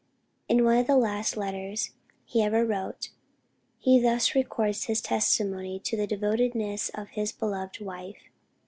In one of the last letters he ever wrote, he thus records his testimony to the devotedness of his beloved wife.